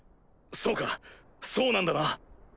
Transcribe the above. そうかそうなんだな？